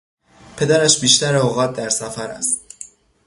پدرش بیشتر اوقات در سفر است.